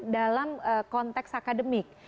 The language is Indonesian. dalam konteks akademik